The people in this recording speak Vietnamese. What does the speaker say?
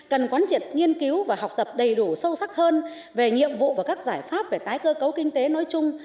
cần quán triệt nghiên cứu và học tập đầy đủ sâu sắc hơn về nhiệm vụ và các giải pháp về tái cơ cấu kinh tế nói chung